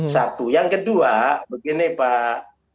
satu yang kedua begini pak